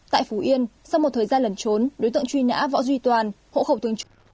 tại phú yên sau một thời gian lẩn trốn đối tượng truy nã võ duy toàn hộ khẩu thương chú